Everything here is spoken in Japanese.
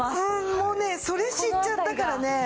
もうねそれ知っちゃったからね。